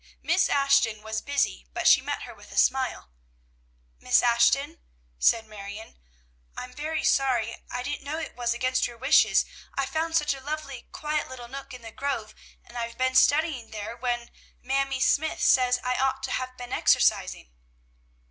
Miss Ashton was busy, but she met her with a smile. "Miss Ashton," said Marion, "I am very sorry; I didn't know it was against your wishes. I found such a lovely, quiet little nook in the grove, and I've been studying there when Mamie Smythe says I ought to have been exercising."